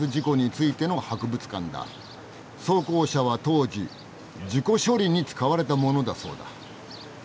装甲車は当時事故処理に使われたものだそうだ。